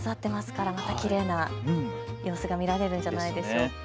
またきれいな様子が見られるんじゃないでしょうか。